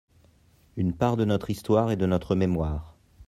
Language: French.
Une part de notre histoire et de notre mémoire.